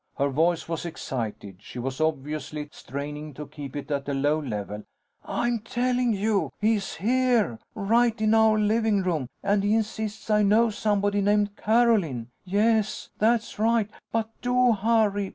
Her voice was excited; she was obviously straining to keep it at a low level. "I'm telling you, he's here! Right in our living room. And he insists I know somebody named Carolyn ... Yes, that's right. But do hurry